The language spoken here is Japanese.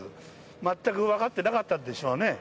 全く分かってなかったんでしょうね。